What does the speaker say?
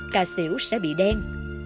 cà xỉu sẽ bị đen